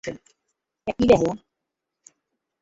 বিক্রম কোন মাগীর জীবন বরবাদ করছে তাহলে?